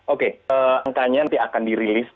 oke angkanya nanti akan dirilis